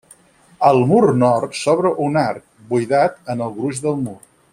Al mur nord s'obre un arc, buidat en el gruix del mur.